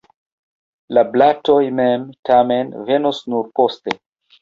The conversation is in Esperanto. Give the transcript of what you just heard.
La blatoj mem, tamen, venos nur poste.